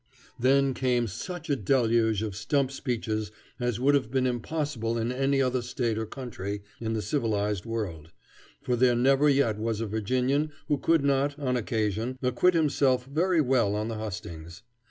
Then came such a deluge of stump speeches as would have been impossible in any other state or country in the civilized world, for there never yet was a Virginian who could not, on occasion, acquit himself very well on the hustings.